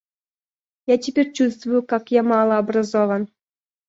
Я теперь чувствую, как я мало образован.